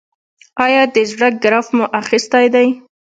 ایا د زړه ګراف مو اخیستی دی؟